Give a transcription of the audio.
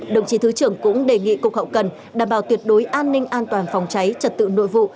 đồng chí thứ trưởng cũng đề nghị cục hậu cần đảm bảo tuyệt đối an ninh an toàn phòng cháy trật tự nội vụ